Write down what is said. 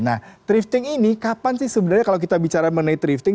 nah thrifting ini kapan sih sebenarnya kalau kita bicara mengenai thrifting